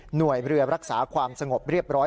หน่วยเรือรักษาความสงบเรียบร้อย